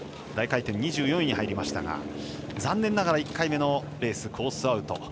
大回転２４位に入りましたが残念ながら１回目のレースコースアウト。